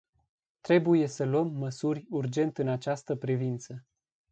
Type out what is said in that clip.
Trebuie să luăm măsuri urgent în această privință.